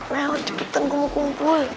nah cepetan gue mau kumpul